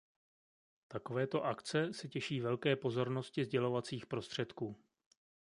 Takovéto akce se těší velké pozornosti sdělovacích prostředků.